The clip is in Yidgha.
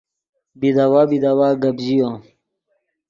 بیداوا بیداوا گپ ژیو